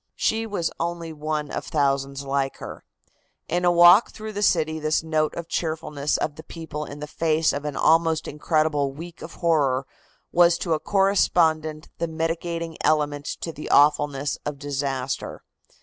She was only one of thousands like her. In a walk through the city this note of cheerfulness of the people in the face of an almost incredible week of horror was to a correspondent the mitigating element to the awfulness of disaster.